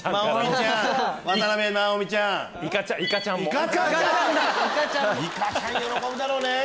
いかちゃん喜ぶだろうね！